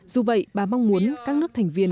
dù vậy bà mong muốn các nước thành viên